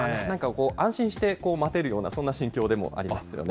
安心して待てるような、そんな心境でもありますよね。